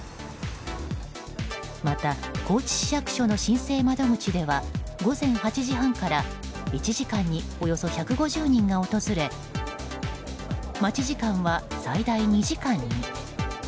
また、高知市役所の申請窓口では午前８時半から１時間におよそ１５０人が訪れ待ち時間は最大２時間に。